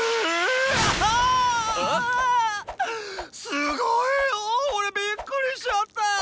すごいヨォ！俺びっくりしちゃったヨ。